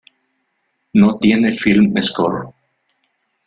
No tiene film score.